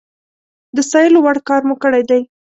د ستايلو وړ کار مو کړی دی